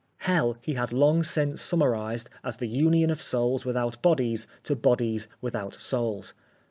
Hell he had long since summarised as the union of souls without bodies to bodies without souls.